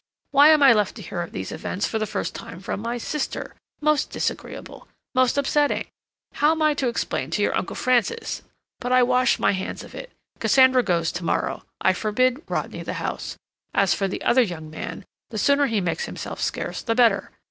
Why am I left to hear of these events for the first time from my sister? Most disagreeable—most upsetting. How I'm to explain to your Uncle Francis—but I wash my hands of it. Cassandra goes tomorrow. I forbid Rodney the house. As for the other young man, the sooner he makes himself scarce the better.